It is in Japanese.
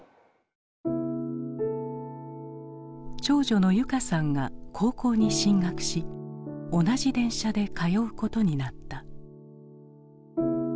長女の由佳さんが高校に進学し同じ電車で通うことになった。